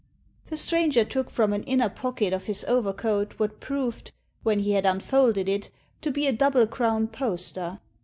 The stranger took from an inner pocket of his overcoat what proved, when he had unfolded it, to be a double crown poster.